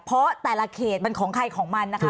เพราะแต่ละเขตมันของใครของมันนะคะ